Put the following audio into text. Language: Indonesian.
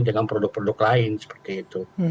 dengan produk produk lain seperti itu